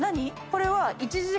これは。